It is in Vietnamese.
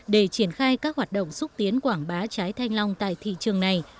để triển khai các hoạt động xúc tiến quảng bá trái thanh long tại thị trường này